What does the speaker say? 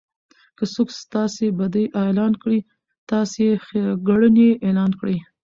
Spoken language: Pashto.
که څوک ستاسي بدي اعلان کړي؛ تاسي ئې ښېګړني اعلان کړئ!